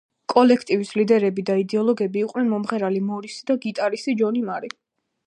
კოლექტივის ლიდერები და იდეოლოგები იყვნენ მომღერალი მორისი და გიტარისტი ჯონი მარი.